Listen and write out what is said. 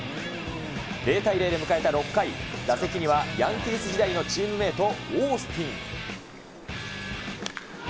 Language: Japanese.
０対０で迎えた６回、打席にはヤンキース時代のチームメート、オースティン。